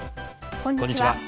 こんにちは。